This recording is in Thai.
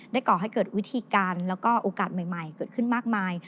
ก่อให้เกิดวิธีการแล้วก็โอกาสใหม่เกิดขึ้นมากมาย